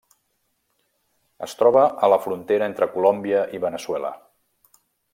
Es troba a la frontera entre Colòmbia i Veneçuela.